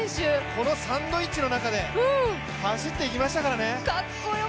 このサンドイッチの中で走っていきましたからね。